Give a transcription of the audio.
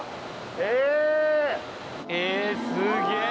ええすげえ！